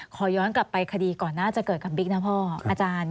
ขอย้อนกลับไปคดีก่อนน่าจะเกิดกับบิ๊กนะพ่ออาจารย์